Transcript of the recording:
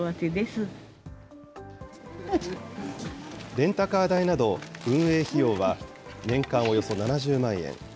レンタカー代など運営費用は年間およそ７０万円。